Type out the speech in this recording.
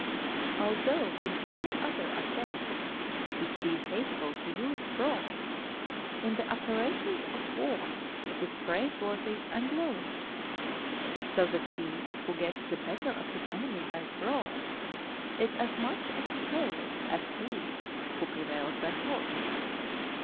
_ Although in all other affairs it be hateful to use fraud, in the operations of war it is praiseworthy and glorious; so that he who gets the better of his enemy by fraud, is as much extolled as he who prevails by force.